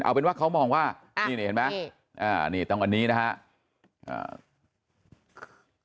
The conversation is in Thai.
เอาเป็นว่าเขามองว่านี่เห็นไหมตรงวันนี้นะคะ